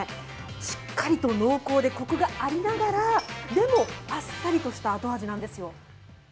しっかりと濃厚でコクがありながら、でも、あっさりとした後味なんですよ。